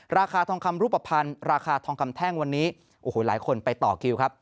ราคาทองคำรูปภัณฑ์ราคาทองคำแท่งวันนี้โอ้โหหลายคนไปต่อคิวครับ